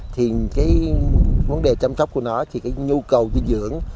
thì cái vấn đề chăm sóc của nó thì cái nhu cầu dinh dưỡng